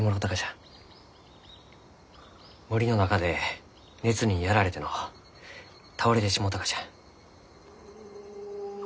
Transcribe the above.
森の中で熱にやられてのう倒れてしもうたがじゃ。